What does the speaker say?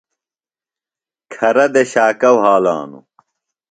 کھرہ دےۡ شاکہ وھالانوۡ۔